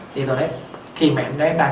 đi toilet khi mà em bé đang